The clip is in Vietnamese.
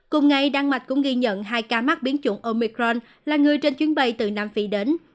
cùng ngày đan mạch cũng ghi nhận hai ca mắc biến chủng omicron là người trên chuyến bay từ nam phi đến